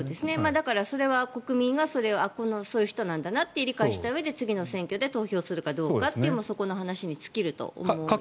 だから、それは国民がそういう人なんだなと理解したうえで次の選挙で投票するかどうかそこの話に尽きると思います。